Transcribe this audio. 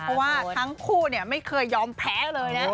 เพราะว่าทั้งคู่ไม่เคยยอมแพ้เลยนะ